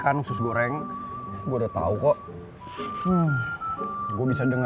tapi tetep aja dia ngacangin gue